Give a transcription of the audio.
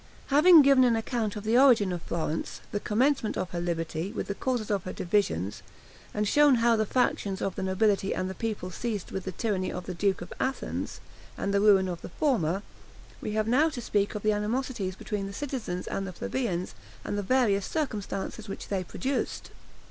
Having given an account of the origin of Florence, the commencement of her liberty, with the causes of her divisions, and shown how the factions of the nobility and the people ceased with the tyranny of the duke of Athens, and the ruin of the former, we have now to speak of the animosities between the citizens and the plebeians and the various circumstances which they produced.